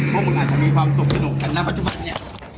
พวกคุณอาจจะมีความสุขสนุกกันนะปัจจุบันนี้